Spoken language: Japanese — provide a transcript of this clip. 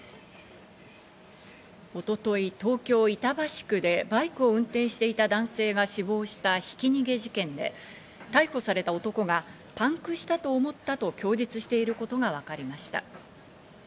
一昨日、東京・板橋区でバイクを運転していた男性が死亡したひき逃げ事件で、逮捕された男がパンクしたと思ったと供述していることがわかりました。